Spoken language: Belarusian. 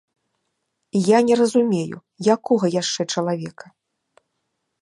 Я не разумею, якога яшчэ чалавека?